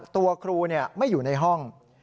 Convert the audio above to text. ตัวครูไม่อยู่ในห้อง